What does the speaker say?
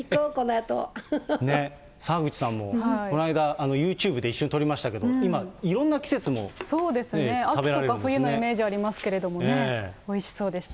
澤口さんも、この間、ユーチューブで一緒に撮りましたけど、今、いろんな季節も食べらそうですね、秋とか冬のイメージありますけど、おいしそうでした。